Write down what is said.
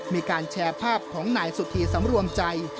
มีการแชร์ภาพของนายสุธีสำรวมใจ